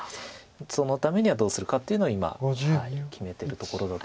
そのためにはどうするかっていうのを今決めてるところだと。